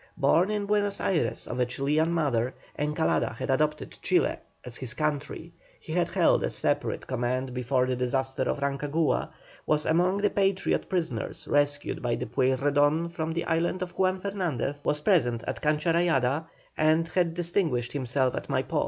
Born in Buenos Ayres of a Chilian mother, Encalada had adopted Chile as his country; he had held a separate command before the disaster of Rancagua, was among the Patriot prisoners rescued by the Pueyrredon from the island of Juan Fernandez, was present at Cancha Rayada, and had distinguished himself at Maipó.